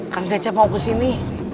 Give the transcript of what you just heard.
kang cecep mau kesini